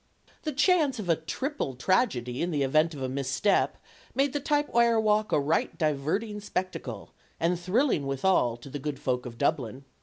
The chance of a triple tragedy in the event of a misstep made the tight wire walk a right diverting spectacle, and thrilling withal, to the good folk of Dublin.